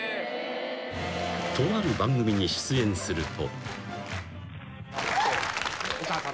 ［とある番組に出演すると］